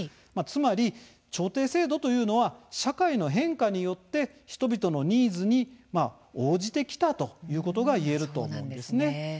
つまり調停制度というのは社会の変化によって、人々のニーズに応じてきたということがいえると思うんですね。